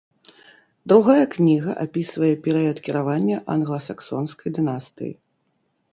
Другая кніга апісвае перыяд кіравання англасаксонскай дынастыі.